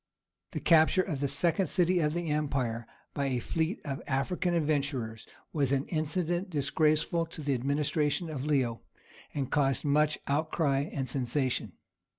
The capture of the second city of the empire by a fleet of African adventurers was an incident disgraceful to the administration of Leo, and caused much outcry and sensation.